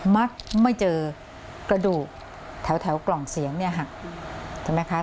มักไม่เจอกระดูกแถวกล่องเสียงเนี่ยหักใช่ไหมคะ